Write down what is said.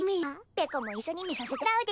ぺこも一緒に見させてもらうで！